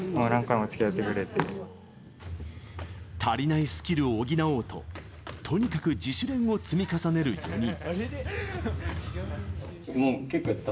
足りないスキルを補おうととにかく自主練を積み重ねる４人。